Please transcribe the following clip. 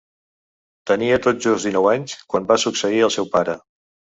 Tenia tot just dinou anys quan va succeir al seu pare.